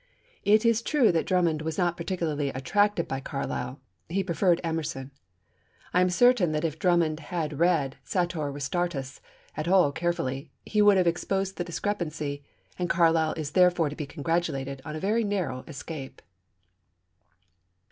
It is true that Drummond was not particularly attracted by Carlyle; he preferred Emerson. I am certain that if Drummond had read Sartor Resartus at all carefully he would have exposed the discrepancy, and Carlyle is therefore to be congratulated on a very narrow escape.